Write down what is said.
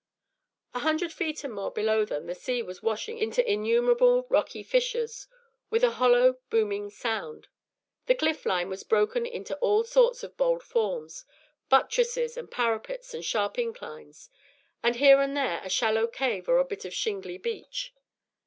A hundred feet and more below them the sea was washing into innumerable rocky fissures with a hollow booming sound. The cliff line was broken into all sorts of bold forms, buttresses and parapets and sharp inclines, with here and there a shallow cave or a bit of shingly beach.